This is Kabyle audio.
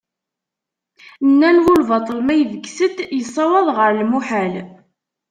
Nnan bu lbaṭel ma ibges-d, yessawaḍ ɣer lmuḥal.